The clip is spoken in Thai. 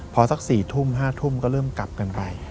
พอสัก๔ทุ่ม๕ทุ่มก็เริ่มกลับกันไป